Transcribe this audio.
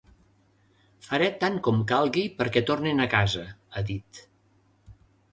Faré tant com calgui perquè tornin a casa, ha dit.